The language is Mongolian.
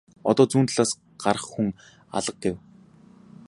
Одоо зүүн талаас гарах хүн алга гэв.